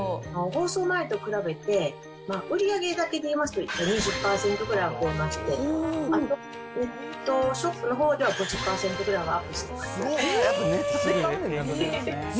放送前と比べて、売り上げで言いますと、２０％はアップしまして、ネットショップのほうでは５０％ぐらいはアップしてます。